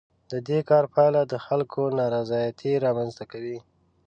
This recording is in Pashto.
د دې کار پایله د خلکو نارضایتي رامنځ ته کوي.